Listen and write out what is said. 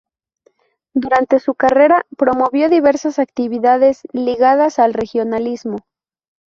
Durante su carrera promovió diversas actividades ligadas al regionalismo.